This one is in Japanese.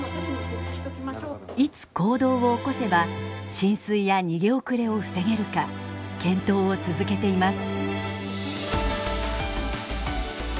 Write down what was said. いつ行動を起こせば浸水や逃げ遅れを防げるか検討を続けています。